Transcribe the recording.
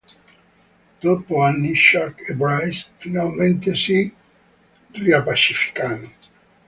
Dopo anni Chuck e Bryce finalmente si riappacificano.